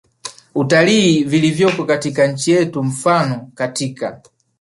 utalii vilivyoko katika nchi yetu Mfano katika